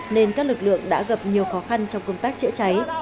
nên các lực lượng đã gặp nhiều khó khăn trong công tác chữa cháy